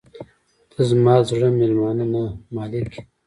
• ته زما د زړه میلمانه نه، مالک یې.